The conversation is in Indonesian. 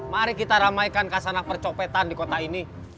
mari kita ramaikan kasanah percopetan di kota ini